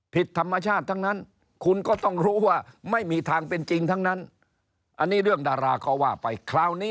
ผิดธรรมชาติทั้งนั้นคุณก็ต้องรู้ว่าไม่มีทางเป็นจริงทั้งนั้น